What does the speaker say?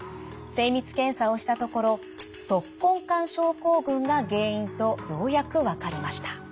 精密検査をしたところ足根管症候群が原因とようやく分かりました。